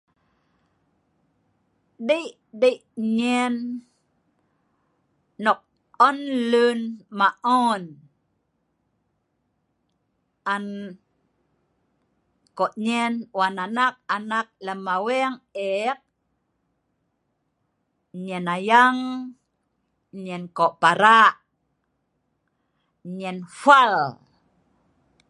Dei' dei' nyen nok on lun maon, an ko' nyen wan anak-anak lem aweng ek, nyen ayang, nyen ko' para', nyen fual.